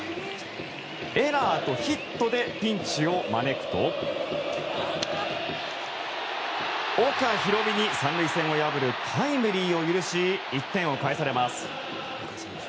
エラーとヒットでピンチを招くと岡大海に、三塁線を破るタイムリーを許し１点を返されます。